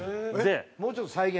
もうちょっと再現